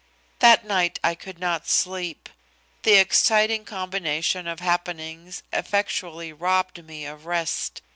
That night I could not sleep. The exciting combination of happenings effectually robbed me of rest.